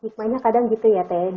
hikmahnya kadang gitu ya teh